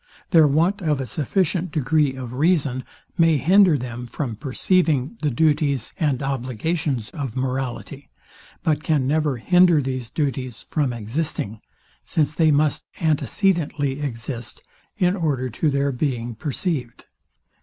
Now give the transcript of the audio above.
Their want of a sufficient degree of reason may hinder them from perceiving the duties and obligations of morality, but can never hinder these duties from existing; since they must antecedently exist, in order to their being perceived.